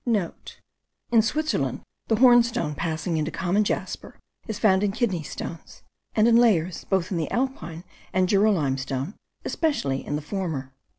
*(* In Switzerland, the hornstone passing into common jasper is found in kidney stones, and in layers both in the Alpine and Jura limestone, especially in the former.)